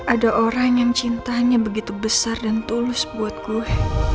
ada orang yang cintanya begitu besar dan tulus buat gue